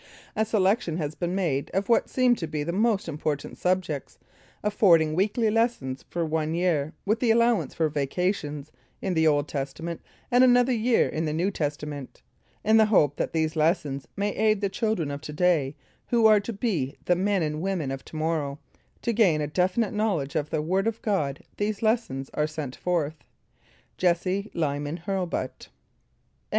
A selection has been made of what seem to be the most important subjects, affording weekly lessons for one year, with allowance for vacations, in the Old Testament, and another year in the New Testament. In the hope that these lessons may aid the children of to day, who are to be the men and women of to morrow, to gain a definite knowledge of the Word of God these lessons are sent forth. JESSE LYMAN HURLBUT.